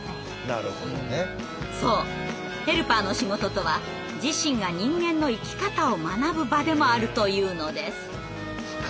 そうヘルパーの仕事とは自身が人間の生き方を学ぶ場でもあるというのです。